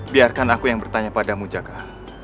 biarkan aku yang bertanya padamu jaga